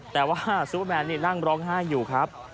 แต่ว่าซูเปอร์แมนนี่นั่งร้องไห้อยู่ครับ